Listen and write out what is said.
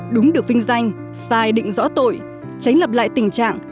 đúng được vinh danh sai định rõ tội tránh lập lại tình trạng